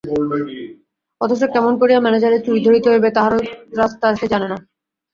অথচ কেমন করিয়া ম্যানেজারের চুরি ধরিতে হইবে তাহারও রাস্তা সে জানে না।